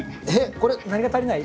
これ何が足りない？